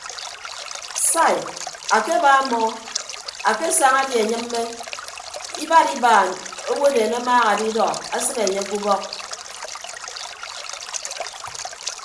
Sai akeba mọọ akesaña die anyịmme ibad ibaan owodeen amaaha adidọ asịne anye ke ubọk.